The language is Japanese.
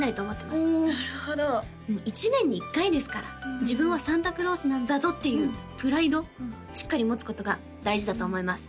なるほどうん１年に１回ですから自分はサンタクロースなんだぞっていうプライドしっかり持つことが大事だと思います